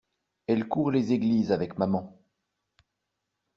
Elle court les églises avec maman.